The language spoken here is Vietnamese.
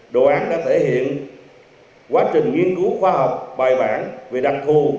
đồ án đã thể hiện quá trình nghiên cứu khoa học bài bản về đặc thù